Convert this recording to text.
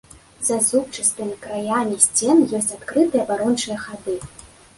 За зубчастымі краямі сцен ёсць адкрытыя абарончыя хады.